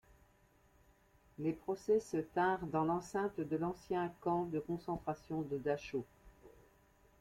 Les procès se tinrent dans l’enceinte de l’ancien camp de concentration de Dachau.